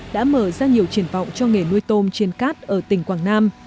đã mở ra nhiều triển vọng cho nghề nuôi tôm trên cát ở tỉnh quảng nam